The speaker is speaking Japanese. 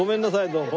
どうも。